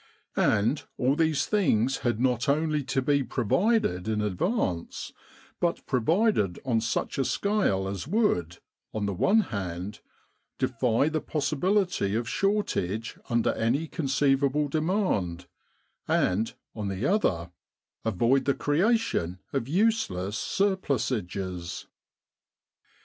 And all these things had not only to be provided in advance, but provided on such a scale as would, on the one hand, defy the possibility of shortage under any conceivable demand, and, on the other, avoid the creation of useless surplusages.